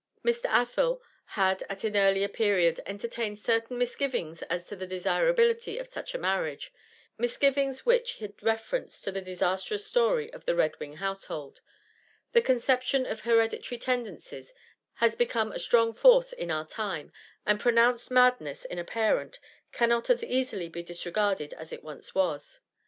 Mr. Athel had at an earlier period entertained certain misgivings as to the desirability of such a marriage; misgivings which had reference to the disastrous story of the Redwing household; the conception of hereditary tendencies has become a strong force in our time, and pronounced madness in a parent cannot as easily be disregarded as it once was.